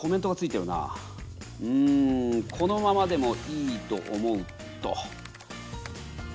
うん「このままでもいいと思う」と。